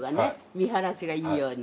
見晴らしがいいように。